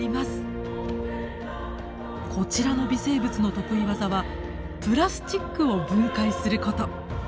こちらの微生物の得意技はプラスチックを分解すること。